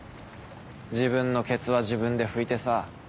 自分のケツは自分で拭いてさ。